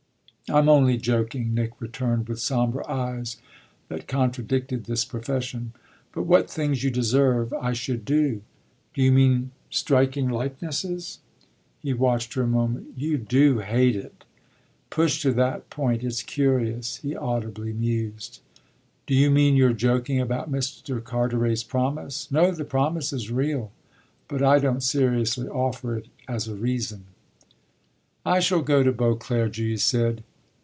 "I'm only joking," Nick returned with sombre eyes that contradicted this profession. "But what things you deserve I should do!" "Do you mean striking likenesses?" He watched her a moment. "You do hate it! Pushed to that point, it's curious," he audibly mused. "Do you mean you're joking about Mr. Carteret's promise?" "No the promise is real, but I don't seriously offer it as a reason." "I shall go to Beauclere," Julia said.